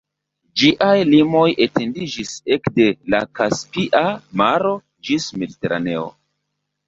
Ĝiaj limoj etendiĝis ekde la Kaspia Maro ĝis Mediteraneo.